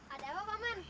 ada apa pak man